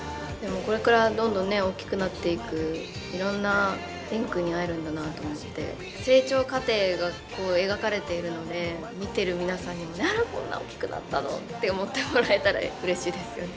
これからどんどん大きくなっていくいろんな蓮くんに会えるんだなと思って成長過程がこう描かれているので見てる皆さんにもこんな大きくなったのって思ってもらえたらうれしいですよね。